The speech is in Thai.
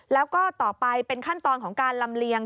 แล้วก็ต่อไปเป็นขั้นตอนของการลำเลียง